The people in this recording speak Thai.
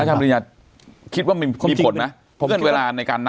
อาจารย์บริญญาติคิดว่ามีความผลมั้ยเพื่อนเวลาในการนัด